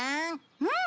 うん！